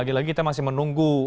lagi lagi kita masih menunggu